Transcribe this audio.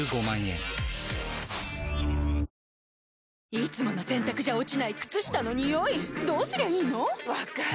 いつもの洗たくじゃ落ちない靴下のニオイどうすりゃいいの⁉分かる。